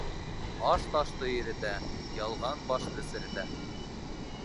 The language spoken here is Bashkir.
Аш ташты иретә, ялған башты серетә.